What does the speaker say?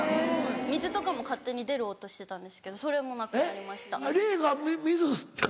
水とかも勝手に出る音してたんですけどそれもなくなりました。